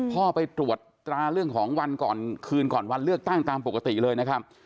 ไปตรวจตราเรื่องของวันก่อนคืนก่อนวันเลือกตั้งตามปกติเลยนะครับ